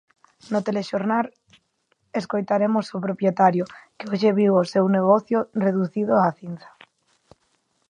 No Telexornal escoitaremos o propietario, que hoxe viu o seu negocio reducido a cinza.